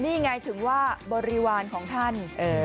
นี่ไงถึงว่าบริวารของท่าน